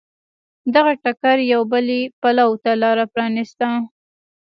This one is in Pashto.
دغه ټکر یوې بلې بلوا ته لار پرانېسته.